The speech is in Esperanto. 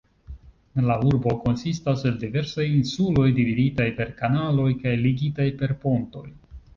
La urbo konsistas el diversaj insuloj, dividitaj per kanaloj kaj ligitaj per pontoj.